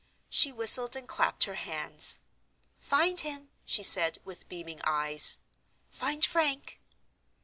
She whistled, and clapped her hands. "Find him!" she said, with beaming eyes. "Find Frank!"